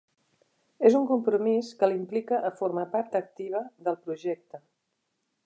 És un compromís que l'implica a formar part activa del projecte.